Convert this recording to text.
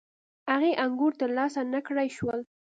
هغې انګور ترلاسه نه کړای شول.